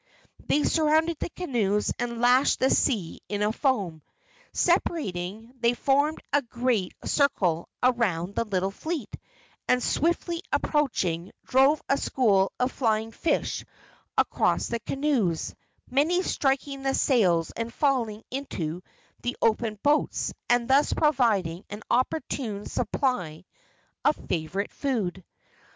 They surrounded the canoes and lashed the sea into foam. Separating, they formed a great circle around the little fleet, and, swiftly approaching, drove a school of flying fish across the canoes, many striking the sails and falling into the open boats and thus providing an opportune supply of favorite food.